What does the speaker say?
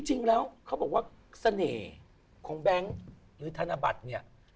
จริงแล้วเขาบอกว่าเสน่ห์ของแบงค์หรือธนบัตรเนี่ย